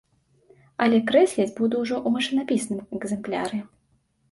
Але крэсліць буду ўжо ў машынапісным экзэмпляры.